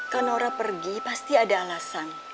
kak naura pergi pasti ada alasan